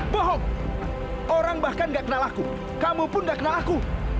bohong orang bahkan gak kenal aku kamu pun gak kenal aku